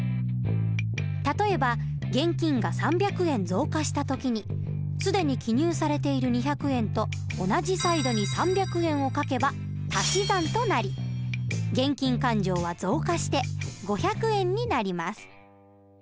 例えば現金が３００円増加した時に既に記入されている２００円と同じサイドに３００円を書けば足し算となり現金勘定は増加して５００円になります。